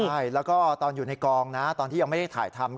ใช่แล้วก็ตอนอยู่ในกองนะตอนที่ยังไม่ได้ถ่ายทำ